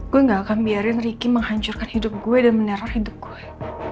gue gak akan biarin ricky menghancurkan hidup gue dan meneror hidup gue